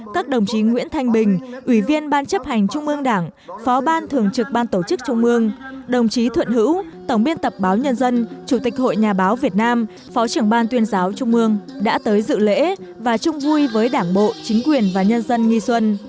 các đồng chí nguyễn thanh bình ủy viên ban chấp hành trung ương đảng phó ban thường trực ban tổ chức trung mương đồng chí thuận hữu tổng biên tập báo nhân dân chủ tịch hội nhà báo việt nam phó trưởng ban tuyên giáo trung mương đã tới dự lễ và chung vui với đảng bộ chính quyền và nhân dân nghi xuân